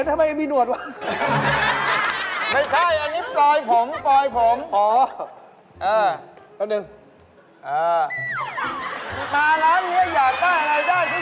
อยากมีหนวดได้